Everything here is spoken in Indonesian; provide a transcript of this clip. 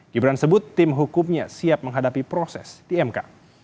gibran sebut tim hukumnya siap menghadapi proses di mk